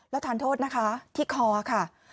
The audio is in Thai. แล้วทานโทษนะคะที่คอค่ะ